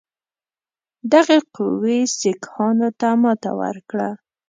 دغې قوې سیکهانو ته ماته ورکړه.